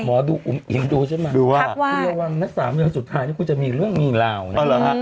หมอดูฉันมาดูว่าคือวันนักศึกษาเมืองสุดท้ายนี้คุณจะมีเรื่องมีราวน่ะ